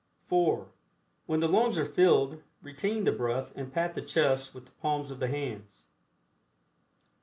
(4) When the lungs are filled, retain the breath and pat the chest with the palms of the hands.